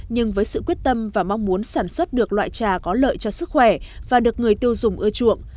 nhưng với sự quyết tâm và mong muốn sản xuất được loại trà có lợi cho sức khỏe và được người tiêu dùng ưa chuộng